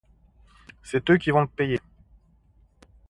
c'est eux qui vont le payer.